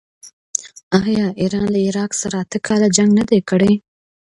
آیا ایران له عراق سره اته کاله جنګ نه دی کړی؟